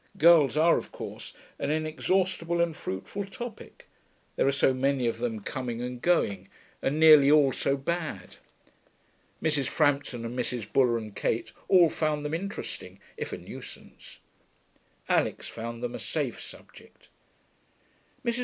Girls are, of course, an inexhaustible and fruitful topic there are so many of them coming and going, and nearly all so bad. Mrs. Frampton and Mrs. Buller and Kate all found them interesting, if a nuisance. Alix found them a safe subject. Mrs.